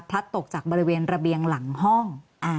ตกจากบริเวณระเบียงหลังห้อง